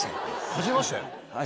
はじめまして？